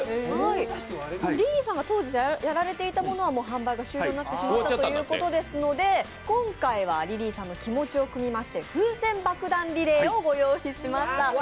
リリーさんが当時やられていたものは販売が終了されていたので今回はリリーさんの気持ちをくみまして風船爆弾リレーをご用意しました。